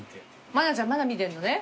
まなちゃんまだ見てるのね。